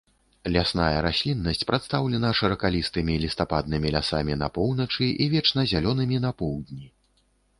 Лясная расліннасць прадстаўлена шыракалістымі лістападнымі лясамі на поўначы і вечназялёнымі на поўдні.